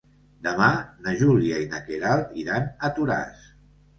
Demà na Júlia i na Queralt iran a Toràs.